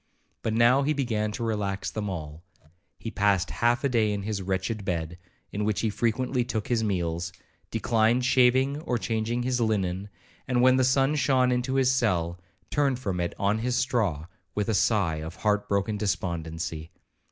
But now he began to relax them all. He passed half the day in his wretched bed, in which he frequently took his meals, declined shaving or changing his linen, and, when the sun shone into his cell, turned from it on his straw with a sigh of heart broken despondency.